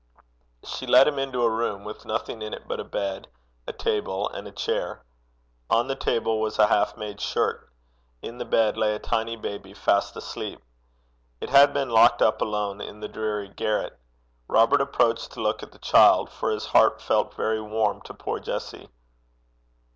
She led him into a room, with nothing in it but a bed, a table, and a chair. On the table was a half made shirt. In the bed lay a tiny baby, fast asleep. It had been locked up alone in the dreary garret. Robert approached to look at the child, for his heart felt very warm to poor Jessie.